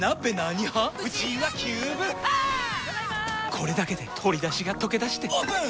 これだけで鶏だしがとけだしてオープン！